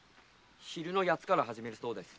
昼の八つから始めるそうです。